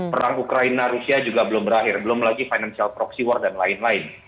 perang ukraina rusia juga belum berakhir belum lagi financial proxy war dan lain lain